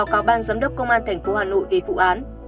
báo cáo ban giám đốc công an thành phố hà nội về vụ án